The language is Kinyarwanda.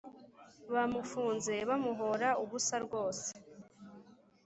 Bamufunze bamuhora ubusa rwose